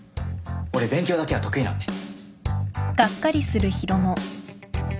俺勉強だけは得意なんで。